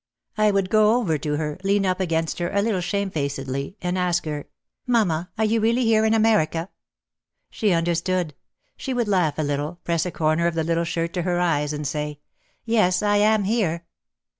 I would go over to her, lean up against her a little shame facedly, and ask her, "Mamma, are you really here in America?" She understood. She would laugh a little, press a corner of the little shirt to her eyes and say, "Yes, I am here."